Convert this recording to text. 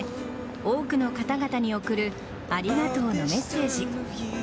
多くの方々に送るありがとうのメッセージ。